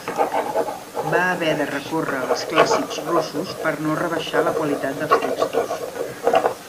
Va haver de recórrer als clàssics russos per no rebaixar la qualitat dels textos.